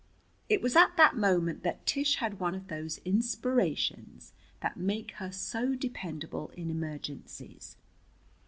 It was at that moment that Tish had one of those inspirations that make her so dependable in emergencies.